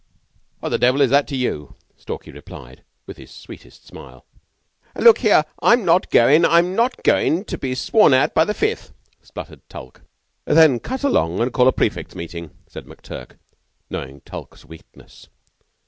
"What the devil is that to you?" Stalky replied with his sweetest smile. "Look here, I'm not goin' I'm not goin' to be sworn at by the Fifth!" sputtered Tulke. "Then cut along and call a prefects' meeting," said McTurk, knowing Tulke's weakness.